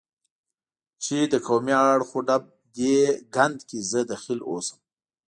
چې د قومي اخ و ډب دې ګند کې زه دخیل اوسم،